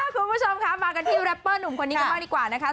คุณผู้ชมค่ะมากันที่แรปเปอร์หนุ่มคนนี้กันบ้างดีกว่านะคะ